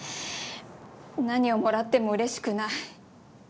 何をもらっても嬉しくない。